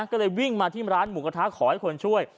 ก็เลยวิ่งมาที่ร้านหมูกระทะขอให้คนช่วย